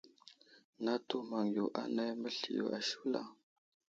Natu maŋ yo anay məsliyo ashula.